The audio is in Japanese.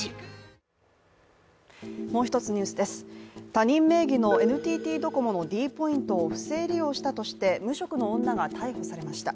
他人名義のＮＴＴドコモのｄポイントを不正利用したとして無職の女が逮捕されました。